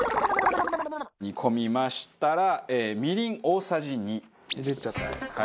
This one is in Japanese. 煮込みましたらみりん大さじ２。入れちゃっていいですか？